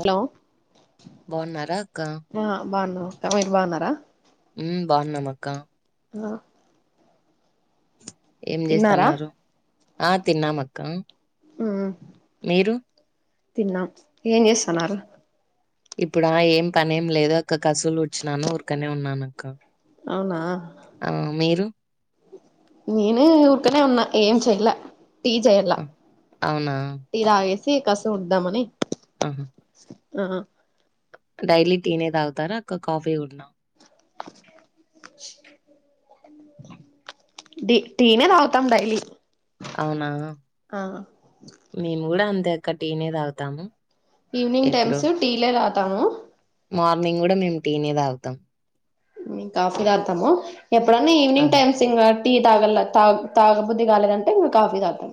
Hello బాగున్నారా అక్క బాగున్నాము ఆక్క మీరు బాగున్నారా మ్మ్ బాగున్నము ఆక్కా అ ఏం తిన్నారా చేస్తున్నరు ఆ తిన్నామక్క మ్మ్ మీరు తిన్నాం ఏన్ చేస్తానారు ఇప్పుడు ఆ ఏం పనేం లేదు అక్క కసులు వచ్చినాను ఊరుకనే ఉన్నాన అక్క అవునా నేను ఊరికనే ఉన్నా ఏం చెయలే టీ చేయిండ్ల ఆ, అవునా టీర తాగేసి కసు ఉడ్దమనీ ఆహా ఆ డైలీ టీ నే తాగుతారా అక్క కాఫీ గూడన డి టీ నే తాగుతాం డైలీ అవునా ఆ మేము కూడా అంతె అక్క టీ నే తాగుతాము ఈవినింగ్ ఎప్పుడు టైమ్స్ టీ లే తాగుతాము మార్నింగ్ గుడా మేము టీ నే తాగుతాం కాఫీ తాగుతము ఎప్పుడన్నా ఆ ఈవినింగ్ టైమ్స్ ఇంగా టీ తాగల్ల తాగ్ తాగ బుద్ధి గాలేదంటే ఇంగ కాఫీ తాగుతం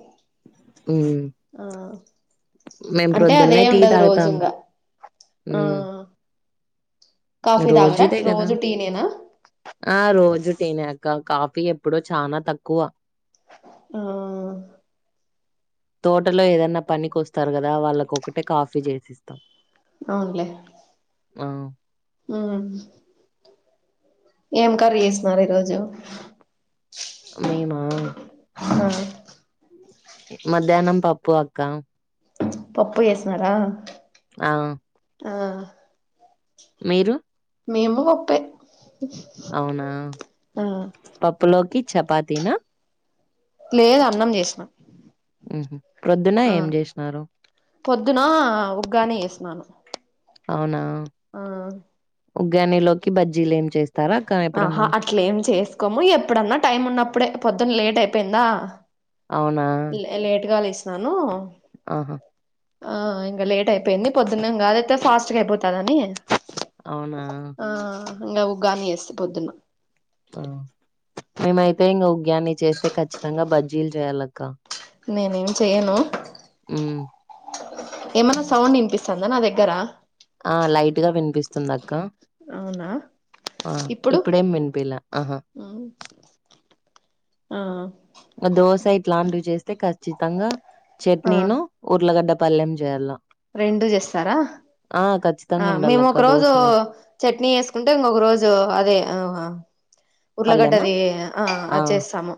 ఉమ్ మేము అంటే అదే ప్రొద్దున్నే టీ ఉండదు రోజు తాగుతాము ఇంగా ఆ ఉమ్ కాఫీ దాగరా రోజుదే కదా రోజు టీ నేనా ఆ రోజు టీ నే అక్క కాఫీ ఎప్పుడో చాన తక్కువ ఆ తోటలో ఏదన్న పనికి వస్తారు గదా వాళ్ళకు ఒకటే కాఫీ చేసిస్తాం అవునులే ఆ ఉమ్ ఏం కర్రీ చేసినారు ఈరోజు మేమా హా మధ్యాహ్నం పప్పు అక్క పప్పు జేసినారా ఆ ఆ మీరు మేము పప్పే అవునా ఆ పప్పులోకి చపాతీనా లేదు అన్నం చేసిన హుహు. ప్రొద్దున ఆ ఏం జేషినారు? పొద్దున ఉగ్గాని ఏసినాను అవునా ఆ ఉగ్గానీలోకి బజ్జీలు ఏం చేస్ ఆహా అట్లేం చేసుకోము ఎప్పుడన్న టైం ఉన్నప్పుడే పొద్దున్న లేట్ అయిపోయిందా అవునా లే లేట్గ లేసినాను ఆహా ఆ ఇంగ లేట్ అయిపోయింది పొద్దున్నంగ అదయితే ఫాస్ట్గ అయిపోతదని అవునా ఆ ఇంగ ఉగ్గానీ చేస్తి పొద్దున్న ఆ మేమైతే ఇంగ ఉగ్యాన్ని చేస్తే ఖచ్చితంగా బజ్జీలు చేయాలక్క నేనేం చేయను ఉమ్ ఏమన్నా సౌండ్ ఇన్నిపిస్తందా నా దగ్గర ఆ లైట్ గా వినిపిస్తుంది అక్క అవునా ఆ ఇప్పుడేం వినిపిలా ఆహా ఊమ్ ఆ దోశ ఇట్లాంటివి చేస్తే ఖచ్చితంగా ఆ చట్నీను ఊర్లగడ్డ పల్లెం చేయల్లా రెండు చేస్తారా ఖచ్చితంగా అ మేము ఉండాలక్క ఒక రోజు దోశలే చట్నీ వేసుకుంటే ఇంకక రోజు అదే ఆహ పల్లెమా ఉర్లగడ్డది ఆ అది చేస్తాము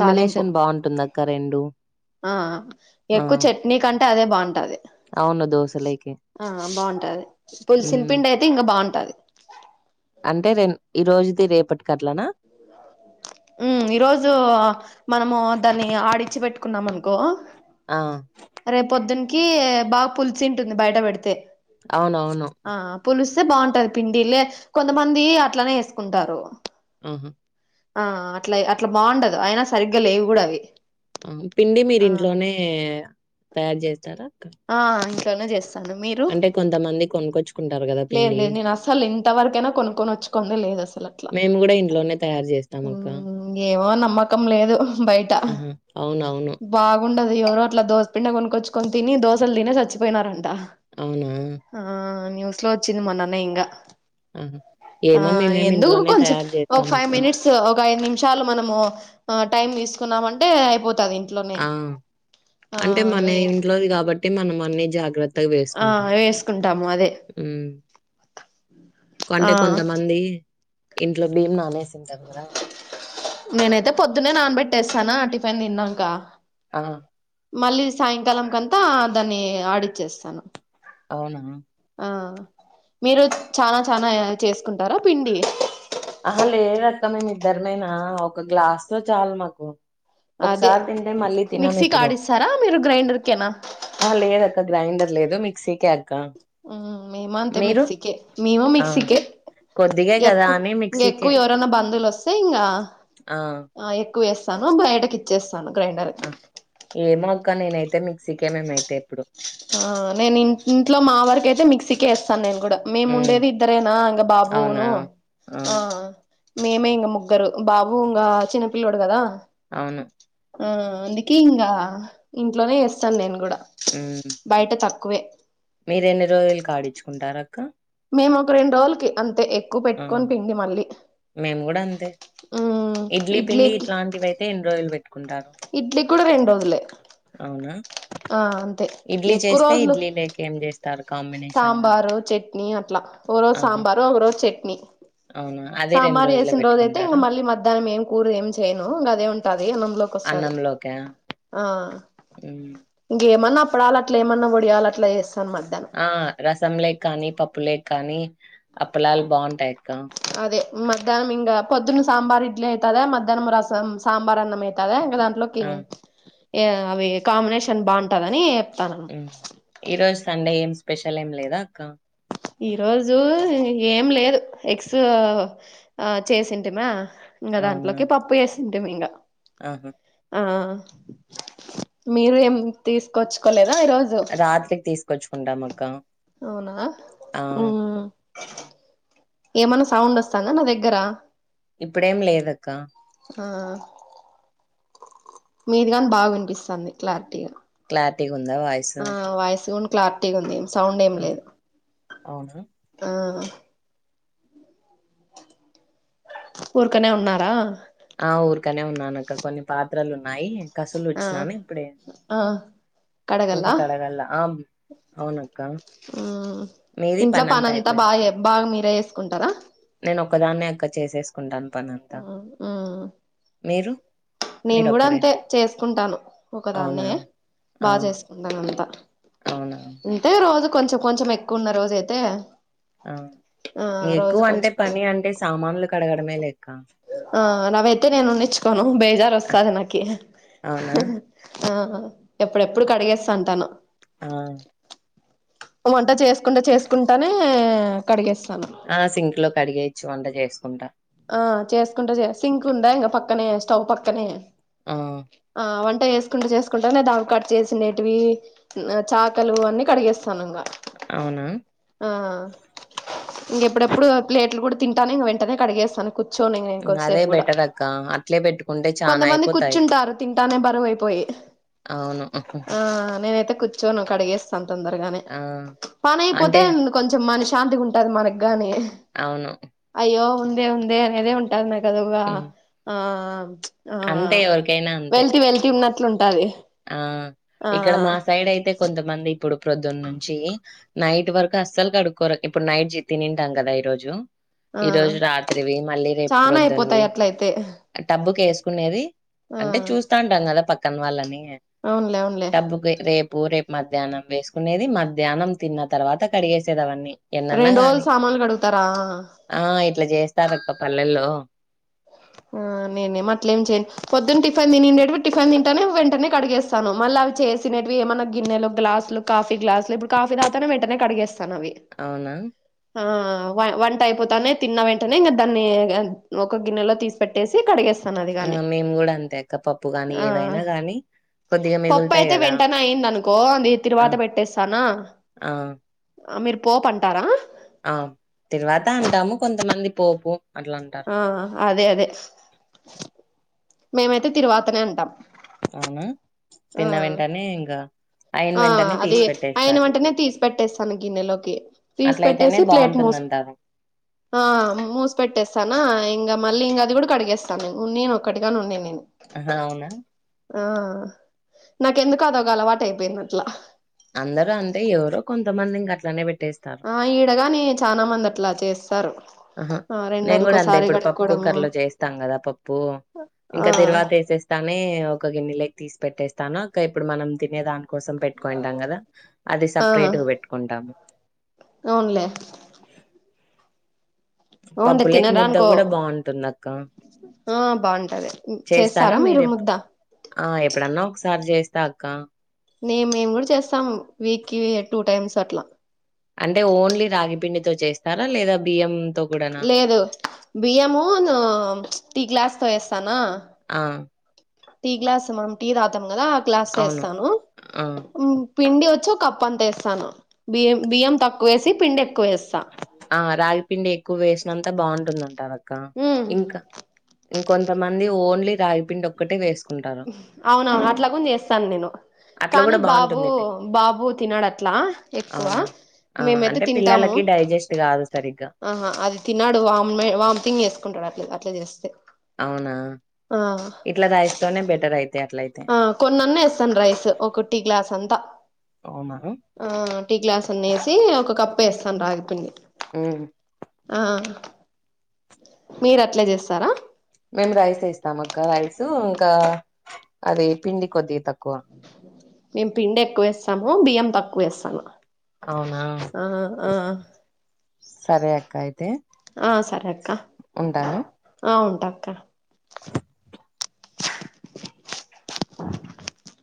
తాలింపు బాగుంటుందక్క రెండు ఆ ఆ ఎక్కువ చెట్ నీకంటే అదే బాగుంటది అవును దోశలేకి ఆ బాగుంటది పులిసిన మ్మ్ పిండి అయితే ఇంకా బాగుంటది అంటే రెన్ ఈ రోజుది రేపటి అట్లనా ఉ ఈరోజు మనము దాన్ని ఆడిచ్చి పెట్టుకున్నాం అనుకో ఆ రేపు పొద్దున్కి బాగా పుల్చి ఉంటుంది బయట పెడితే అవునవును ఆ పులిస్తే బాగుంటది పిండిలే కొంతమంది అట్లనే వేసుకుంటారు ఊహూ ఆ అట్లా అట్లా బాగుండదు అయినా సరిగ్గా లేవి కూడా అవి పిండి మీరి ఆ ఇంట్లోనే తయారు చేస్తారా ఆ ఇంట్లోనే చేస్తా అంటే కొంతమంది కు కొనుకోచ్చుకుంటారు కదా లేదు పిండి లేదు నేను అసలు ఇంతవరకైనా కొనుక్కొని వచ్చుకునే లేదు అసలు అట్లా మేము కూడా ఇంట్లోనే తయారు చేస్తాం అక్క ఏమో నమ్మకం లేదు బయట ఆహా అవునవును బాగుండదు ఎవరో అట్లా దోసపిండి కొనుక్కొచ్చుకొని తిని దోసలు తిని సచ్చిపోయినారంట అవునూ ఆ న్యూస్ లో వచ్చింది మాన్నన్నే ఇంకా ఆహా! ఆ ఏమో మేమేమి ఎందుకు ఇంట్లోనే కొంచెం తయారు ఒక ఫైవ్ జేస్తామక్క. మినిట్స్ ఒక ఐదు నిమిషాలు మనము టైమ్ తీసుకున్నామంటే అయిపోతది ఇంట్లోనే ఊమ్ ఆ అంటే మన వే ఇంట్లోది కాబట్ టి మనం అన్ని జాగ్రత్తగా ఆ వేసుకుంటాం వేసుకుంటాము అదే ఆ అంటే కొంతమంది ఇంట్లో బియ్యం నానేసింటారు కదా నేనైతే పొద్దున్నే నానబెట్టేస్తానా ఆ టిఫిన్ తిన్నాంక ఆహ మళ్ళీ సాయంకాలం కంతా దాన్ని ఆడిచ్చేస్తాను అవునా అ మీరు చనా చనా చేసుకుంటారా పిండి అహ లేదక్క మేమిఇద్దరమేనా ఒక గ్లాస్ లో చాలు మాకు అదే ఒకసారి తింటే మళ్ళీ మిక్సీకి తినమిప్పుడు. ఆడిస్తారా మీరు గ్రైండర్కేనా ఆ లేద అక్క గ్రైండర్ లేదు మిక్సీకి మేమా అంతే మిక్సకే మేము ఆ! మిక్సికే కొద్దిగే కదా ఎక్కువ అని ఇంక మిక్సీకే. ఎక్కువ ఎవరైనా బంధువులు వస్తే ఇంగ ఆ! ఎక్కువ వేస్తాను బయటకిఇ చేస్తాను గ్రైండర్ ఆ! కి ఏమో అక్క నేనైతే మిక్సీకే మేమైతే ఎప్పుడు ఆఁ నేన్ ఇంట్ ఇంట్లో మా వరకయితే మిక్సీకే ఏస్తాన్ నేం గుడ హ్మ్. మేముండేది ఇద్దరేనా ఇంగ బాబ్ అవునా? వోనూ ఆ! ఆఁ మేమే ఇంగ ముగ్గరూ బాబూ ఉంగా చిన్నపిల్లోడ్ గదా ఔను ఉమ్ అందుకే ఇంగా ఇంట్లోనే ఏస్తాన్ నేం గుడా ఉమ్ బైట తక్కువే మీరెన్ని రోజులకాడిచ్చుకుంటారక్క మేమోక రెండ్రోజుల్ కీ అంతే ఎక్ ఉమ్ మేం గుడంతే మ్ ఇడ్లీ పిండీ ఇట్లాంటివై తిన్ రోయల్ బెట్ ఇడ్లీగ్ గుడ రెండ్రోజులే ఔనా ఇడ్లీ ఎక్కువ చేస్తే రోజులు ఇడ్లీ లేక్ ఏం జేస్ సాంబారు చట్నీ అట్లా ఒక రోజ్ సాంబారో ఒక రోజ్ చట్నీ ఔనా అద్ సాంబార్ జేసిన రోజయితే ఇంగ మళ్ళీ మధ్యాహ్నం ఏం కూరేం చేయనూ ఇంగ అదే ఉంటాదీ అన్నంలో కొస్తాది. నం లోక్యా ఉమ్ ఇంగేమన్నా అప్పడాల్ అట్లేమన్న వడియాల్ అట్లా ఏస్తాన్ మధ్యానం ఆఁ రసంలే కానీ పప్పులే కానీ అప్పలాల్ బావుంటాయ్ అక్కా అదే మధ్యాహ్నం ఇంగా పొద్దున సాంబార్ ఇడ్లీ ఐతాద్యా మధ్యాహ్నం రసం సాంబార్ అన్నం ఐత్యాదా ఇంగ దాంత్ లోకే ఆ! యా అవీ కామినేషన్ బావుంటదనీ ఎప్తరూ ఉమ్ ఈ రోజ్ సండే ఏం స్పెషల్ ఏం లేదా అక్క ఈ రోజూ ఏం లేదు ఎక్సూ ఆఁ చేసింటిమా ఇంగ దాంట్లోకి పప్పు ఏసింటిమి ఇంగ అహు ఆఁ మీరూ ఏం తీసుకొచ్చుకోలేదా ఈరోజ్ రాత్రికి తీసుకొచ్చుకుంటాం అక్కా ఔనా ఊఁ ఏమన్న సౌండ్ వస్తాంద నా దెగ్గరా ఇప్పుడేంలేదక్క ఆఁ మీది గాన్ బా వినిపిస్తాంది క్లారిటీగా క్లారిటీ గుందా వాయ్ ఆఁ వాయిస్ ఉన్ క్లారిటీగుంది సౌండ్ ఏం లేదు అవునా ఆఁ ఊర్కనే ఉన్నారా ఆఁ ఊర్కనే ఉన్నానక్క కొన్ని పాత్రలున్నాయీ ఆ కసులూచ్చినాను ఇప్పుడే ఆ ఇంక కడగల్లా కడగాల్ల ఆం ఉమ్ మీది ఇంట్లో పని అంతా పనంత అయిపోయింది బాయే బాగ్ మీరే ఏస్కుంటరా నేనొక్కదాన్నే అక్కా చేసేస్కుంటాన్ పనంతా మీరు నేన్ మీరొక్కరే గుడంతే చేస్కుంటాను అవునా ఒకదాన్నే బా చేస్కుంటాన్ అంతా ఔనా అంతే రోజు కొంచం కొంచం ఎక్కువున్న రోజైతే ఆఁ ఎక్కువ అంటే పని అంటే సామాన్లు కడగడమే లేక్క ఆఁ నవైతే నేను ఉన్నిచ్కోను బేజార్ ఆ, వస్తాది నాకీ అవునా ఆఁ ఎప్పుడెప్పుడు కడిగేస్సంటాను ఆ వంట చేసుకుంటా చేసుకుంటానే కడిగేస్తాను ఆ సింక్ లో కడిగేచ్చు వంట చేసుకుంటా ఆ చేసుకుంటే సింక్ ఉందా ఇంకా పక్కనే స్టవ్ పక్కనే ఆ ఆ వంట చెస్ కుంటూ చేసుకుంటానే ద కట్ చేసిన నటివి చాకలు అన్నీ కడిగేస్తాను ఇంకా అవునా ఆ ఇంకెప్పుడెప్పుడు ప్లేట్లు కూడా తింటాను ఇంక వెంటనే కడిగేస్తాను కూర్చొని నేను అదే ఇంకోద్దిసేపు కూడా బెటర్ అక్క అట్లే పెట్టుకుంటే చానా కొంతమంది అయిపోతాయి కూర్చుంటారు తింటానే బరువువైపోయి అవును ఆ నేనైతే కుచ చోను కడిగేస్తాను తొందరగానే ఆ పని అయిపోతే అంటే కొంచెం మన శాంతిగా ఉంటది మనకుగాని అవును అయ్యో ఉందే ఉందే అనేదే ఉంటది నాకుఅదొగా హ్మ్ ఆ ఆ అంతే ఎవరికైనా అంతే. వెళ్తి వెళ్తే ఉన్నట్లు ఉంటాది ఆ ఇక్కడ మా సైడ్ అయితే కొంతమంది ఇప్పుడు ప్రొద్దునుంచి నైట్ వరకు అస్సలు కడుక్కోరు ఇప్పుడు నైట్ జి తి తింటాం కదా ఈ రోజు ఆ ఈ రోజు రాత్రివి మళ్ళీ రేపు చానా అయిపోతాయి ప్రొద్దున్వి అట్లయితే డబ్బుకు వేసుకునేది ఆ అంటే చూస్తా ఉంటా కదా పక్కన వాళ్ళని అవునులే అవును డబ్బుకి రేపు రేపు మధ్యాహ్నం వేసుకునేది మధ్యాహ్నం తిన్న తర్వాత కడిగేసేది అవన్నీ ఎన్నన్నా రెండు రోజులు గాని. సామాన్లు కడుగుతారా ఆ ఇట్లా చేస్తారు అక్క పల్లెల్లో ఆ నేనేం అట్లా ఏం చేయ్యను పొద్దున్న టిఫిన్ తినండేటవి టిఫిన్ తింటేనే వెంటనే కడిగేస్తాను మళ్ళీ అవి చేసినవి ఏమన్నా గిన్నెలు గ్లాసులు కాఫీ గ్లాస్లు ఇప్పుడు కాఫీ తాగుతనే వెంటనే కడిగేస్తాను అవి అవునా ఆ వంట అయిపోతానే తిన్న వెంటనే ఇంకా దాన్ని ఒక గిన్నెలో తీసు పెట్టేసి కడిగేస్ ఆ మేము కూడా అంతే అక్క పప్పు గాని ఆ ఏవైనా గాని పప్పు అయితే వెంటనే అయింది అనుకో అది ఆ తిరువాత పెట్టేస్తానా ఆ ఆ మీరు పోప్ అంటారా ఆ తీరువాత అంటాము కొంతమంది పోపు అట్లా అంటా ఆ అదే అదే మేమైతే తిరువాతనే అంటాం అవునా ఆ తిన్న వెంటనే ఇంగా ఆ అది అయన వెంటనే తీసి పెట్టేస్తాను గిన్నెలోకి తీసి అట్లయితేనే పెట్టేసి ప్లేట్ మోసు బాగుంటుందంటారు ఆ మూసి పెట్టేస్తానా ఇంకా మళ్ళీ ఇంకా అది కూడా కడిగేస్తాను ఉన్ని ఒక్కటిగానే ఉన్నా నేను హ అవునా ఆ నాకెందుకో అది ఒక అలవాటు అయిపోయింది అట్లా అందరు అంతే ఎవరో కొంతమంది ఇంక అట్లనే పెట్టేస్తారు ఆ ఈడ గాని చానా మంది అట్లా చేస్తారు ఆహా ఆ నేను కూడా అంతే రెండ్రోజులకోసారి ఇప్పుడు పప్పు కడుక్కోవడము కుక్కర్ లో చేస్తాం కదా పప్పు ఆ ఇంకా తిరువాత వేసేస్తానే ఒక గిన్నెలోకి తీసి పెట్టేస్తాను ఇక ఇప్పుడు మనం తినేదానికి కోసం పెట్టుకుంటాం కదా అది ఆ సపరేట్ గా పెట్టుకుంటాము అవునులే అవునులే పప్పులోకి ముద్ద తినడానికో కూడా బాగుంటుంది అక్క ఆ బాగుంటది అన్ చేస్తారా మీరు ముద్ద ఆ ఎప్పుడన్నా ఒకసారి చేస్తా అక్క నే మేము కూడా చేస్తాం వీక్కిి టూ టైమ్స్ అట్లా అంటే ఓన్లీ రాగి పిండితో చేస్తారా లేదా బియ్యంంతో కూడాన లేదు బియ్యము న ఉచ్ టీ గ్లాస్ తో వేస్తానా ఆ టీ గ్లాస్ మమ్ టీ తాగుతాం కదా ఆ గ్లాస్ అవును వేస్తాను ఆ పిండి వచ్చి ఒకప్ప అంత ఎస్తాను బియం బియ్యం తక్కువేసి పిండి ఎక్కువ వేస్తా ఆ రాగిపిండి ఎక్కువ వేసినంతా బాగుంటుందంటారు అక్క ఉమ్ ఇంకా ఇంకొంతమంది ఓన్లీ రాగిపిండి ఒక్కటే వేసుకుంట్ అవునవును అట్లాగం చేస్తాను నేను అట్లా కానీ కూడా బాబు బాగుంటుందిటి బాబు తినడు అట్లా ఎక్కువ మేమైతే తింటాము కి డైజెస్ట్ కాదు సరిగ్గా ఆహా అది తినడు వామ్ మే వామిటింగ్ చేేసుకుంటాడు అట్లా అట్లా చేస్తే అవునా ఆ ఇట్లా రైస్ తోనే బెటర్ అయిత్ ఆ కొన్నాన్న ఎస్తాను రైస్ ఒక టి గ్లాస్ అంతా అవున హే ఆ టీ గ్లాస్ అన్ని వేసి ఒక కప్పు ఎస్తాను రాగి పిండి ఉమ్ ఆ మీరు అట్లే చేస్తారా మేము రైస్ ఎస్తాం అక్క రైస్ ఇంకా అది పిండి కొద్దిగా తక్కువ మేము పిండి ఎక్కువ వేస్తాము బియ్యం తక్కువ వేస్తాను అవునా ఆ ఆ సరే అక్క అయితే ఆ సరే అక్క ఉంటాను ఆ ఉంటక్క